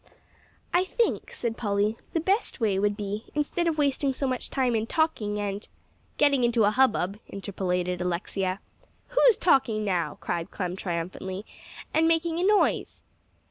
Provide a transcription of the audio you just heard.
"I think," said Polly, "the best way would be, instead of wasting so much time in talking, and " "Getting into a hubbub," interpolated Alexia. "Who's talking now," cried Clem triumphantly, "and making a noise?"